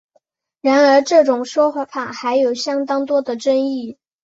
然而这种说法还有相当多的争议。